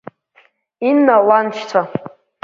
Инна ланшьцәа.